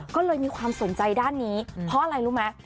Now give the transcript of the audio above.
ก็เลยมีความสนใจด้านนี้เพราะอะไรรู้ไหม